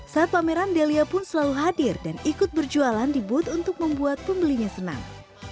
saat pameran delia pun selalu hadir dan ikut berjualan di booth untuk membuat pembelinya senang